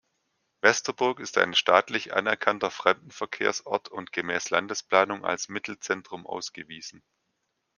Westerburg ist ein staatlich anerkannter Fremdenverkehrsort und gemäß Landesplanung als Mittelzentrum ausgewiesen.